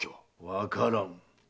わからん。